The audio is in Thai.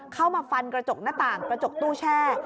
เข้ามาฟันกระจกหน้าต่างกระจกตู้แช่